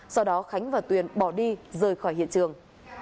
sau đó khánh và tuyền bỏ đi rời khỏi hiện trường